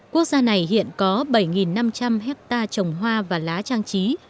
quốc gia này hiện có bảy năm trăm linh hectare trồng hoa và lá trang trí